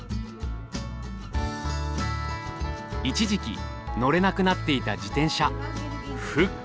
一時期乗れなくなっていた自転車復活！